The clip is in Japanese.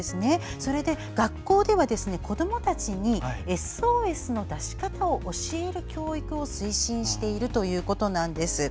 それで学校では子どもたちにＳＯＳの出し方を教える教育を推進しているということです。